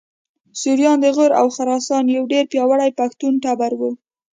سوریان د غور او خراسان یو ډېر پیاوړی پښتون ټبر و